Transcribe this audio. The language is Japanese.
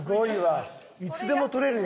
いつでも撮れるやん。